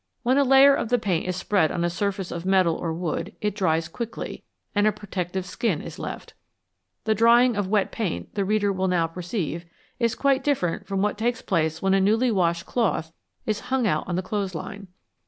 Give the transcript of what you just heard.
When a layer of the paint is spread on a surface of metal or wood it dries quickly, and a pro tective skin is left. The drying of wet paint, the reader will now perceive, is quite different from what takes 24,1 Q FATS AND OILS place when a newly washed cloth is hung out on the clothes line.